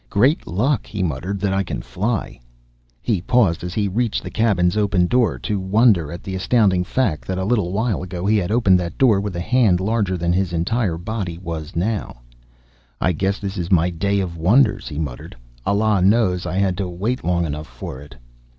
"Great luck," he muttered, "that I can fly!" He paused, as he reached the cabin's open door, to wonder at the astounding fact that a little while ago he had opened that door with a hand larger than his entire body now was. "I guess this is my day of wonders!" he muttered. "Allah knows I had to wait long enough for it!"